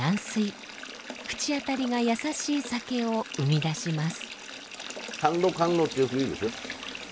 口当たりが優しい酒を生み出します。